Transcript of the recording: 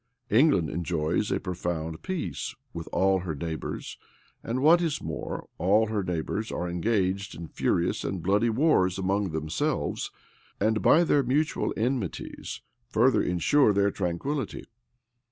England enjoys a profound peace with al her neighbors; and what is more, all her neighbors are engaged in furious and bloody wars among themselves, and by their mutual enmities further insure their tranquillity.